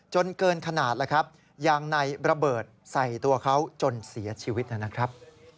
เกินขนาดแล้วครับยางในระเบิดใส่ตัวเขาจนเสียชีวิตนะครับ